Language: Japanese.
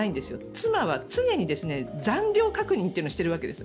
妻は常に残量確認というのをしているわけです。